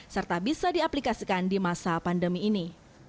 serta bisa diaplikasikan di masa pandemi ini